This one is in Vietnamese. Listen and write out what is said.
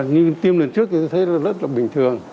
như tiêm lần trước thì tôi thấy rất là bình thường